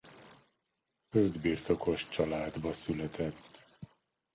Földbirtokos családba született.